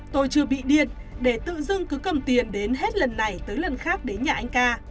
tôi chưa bị điện để tự dưng cứ cầm tiền đến hết lần này tới lần khác đến nhà anh ca